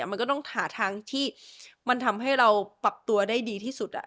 มันก็ต้องหาทางที่มันทำให้เราปรับตัวได้ดีที่สุด